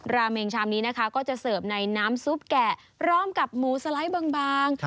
ราเมงชามนี้นะคะก็จะเสิร์ฟในน้ำซุปแกะพร้อมกับหมูสไลด์บาง